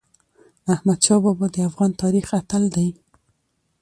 احمدشاه بابا د افغان تاریخ اتل دی.